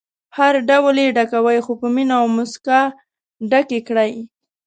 هر ډول یې ډکوئ خو په مینه او موسکا ډکې کړئ.